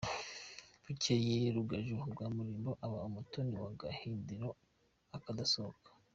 Bukeye Rugaju rwa Mutimbo aba umutoni wa Gahindiro akadasohoka.